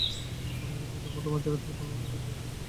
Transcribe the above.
আমি যদি তোমার জায়গায় থাকতাম, আমি পুজার প্রেমে পড়ে যেতাম।